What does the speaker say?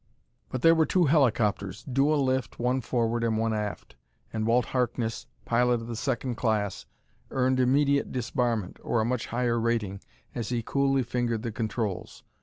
But there were two helicopters dual lift, one forward and one aft. And Walt Harkness, pilot of the second class, earned immediate disbarment or a much higher rating as he coolly fingered the controls.